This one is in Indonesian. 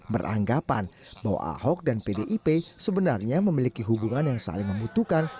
beranggapan bahwa ahok dan pdip sebenarnya memiliki hubungan yang saling membutuhkan